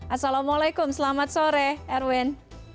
assalamualaikum selamat sore erwin